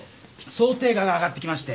装丁画が上がってきまして。